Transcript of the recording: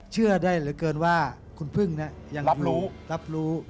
เชื่อได้เหลือเกินว่าคุณพึ่งน่ะยังรับรู้